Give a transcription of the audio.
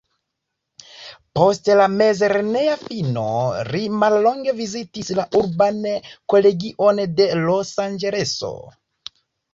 Post la mezlerneja fino li mallonge vizitis la urban kolegion de Los-Anĝeleso.